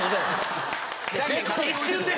一瞬で？